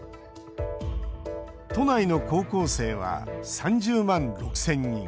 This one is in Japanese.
都内の高校生は３０万６０００人。